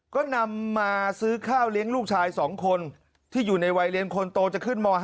ก็นำมาซื้อข้าวเลี้ยงลูกชาย๒คนที่อยู่ในวัยเรียนคนโตจะขึ้นม๕